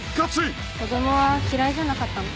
「子供は嫌いじゃなかったの？」